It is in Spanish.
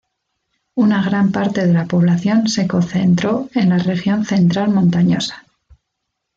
Una gran parte de la población se concentró en la región central montañosa.